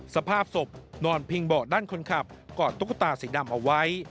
สภาพศพนอนพิงเบาะด้านคนขับกอดตุ๊กตาสีดำเอาไว้